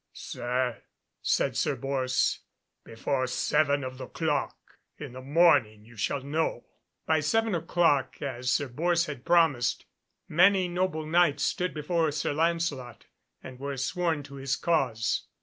"Sir," said Sir Bors, "before seven of the clock in the morning you shall know." By seven o'clock, as Sir Bors had promised, many noble Knights stood before Sir Lancelot, and were sworn to his cause.